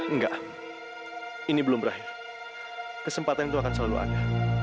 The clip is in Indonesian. enggak ini belum berakhir kesempatan itu akan selalu ada